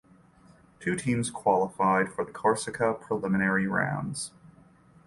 Two teams qualified from the Corsica preliminary rounds.